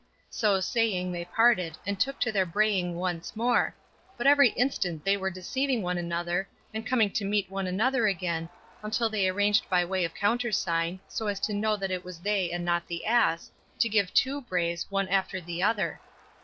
So saying they separated, and took to their braying once more, but every instant they were deceiving one another, and coming to meet one another again, until they arranged by way of countersign, so as to know that it was they and not the ass, to give two brays, one after the other.